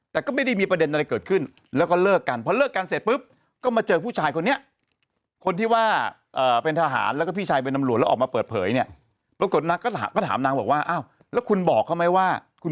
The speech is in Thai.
แต่ก็ไม่ได้มีประเด็นอะไรเกิดขึ้น